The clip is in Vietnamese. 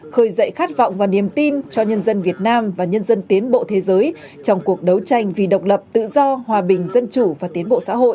khởi dậy khát vọng và niềm tin cho nhân dân việt nam và nhân dân tiến bộ thế giới trong cuộc đấu tranh vì độc lập tự do hòa bình dân chủ và tiến bộ xã hội